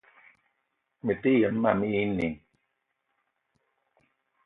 Mete yem mam éè inìng